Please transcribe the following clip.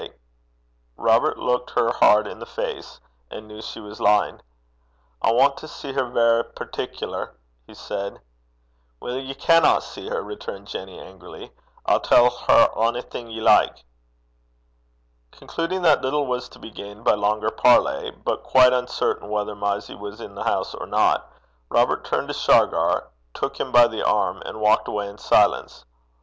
Robert looked her hard in the face, and knew she was lying. 'I want to see her verra partic'lar,' he said. 'Weel, ye canna see her,' returned Jenny angrily. 'I'll tell her onything ye like.' Concluding that little was to be gained by longer parley, but quite uncertain whether Mysie was in the house or not, Robert turned to Shargar, took him by the arm, and walked away in silence.